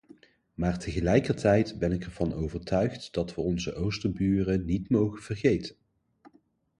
Maar tegelijkertijd ben ik er van overtuigd dat we onze oosterburen niet mogen vergeten.